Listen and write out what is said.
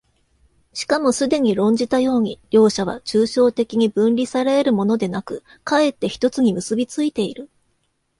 しかもすでに論じたように、両者は抽象的に分離され得るものでなく、却って一つに結び付いている。